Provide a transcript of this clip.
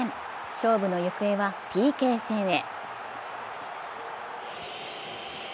勝負の行方はＰＫ戦へ。